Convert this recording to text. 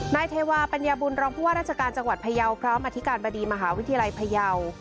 เทวาปัญญาบุญรองผู้ว่าราชการจังหวัดพยาวพร้อมอธิการบดีมหาวิทยาลัยพยาว